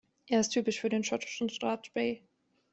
Er ist typisch für den schottischen Strathspey.